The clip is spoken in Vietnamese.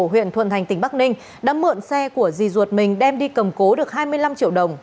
huyện thuận thành tỉnh bắc ninh đã mượn xe của dì ruột mình đem đi cầm cố được hai mươi năm triệu đồng